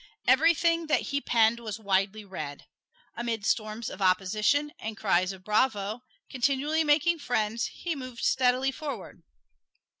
Everything that he penned was widely read. Amid storms of opposition and cries of bravo, continually making friends, he moved steadily forward.